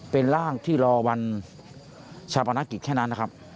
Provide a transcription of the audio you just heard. เป็นร่างที่รอวันชาปนกิจแค่นั้นนะครับ